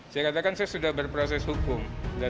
saya katakan saya sudah berproses hukum